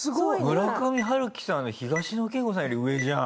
村上春樹さん東野圭吾さんより上じゃん！